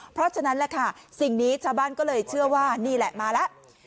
เพราะฉะนั้นแหละค่ะสิ่งนี้ชาวบ้านก็เลยเชื่อว่านี่แหละมาแล้ว